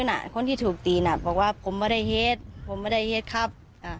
คนที่ถูกตีน่ะบอกว่าผมไม่ได้เฮ็ดผมไม่ได้เฮ็ดครับ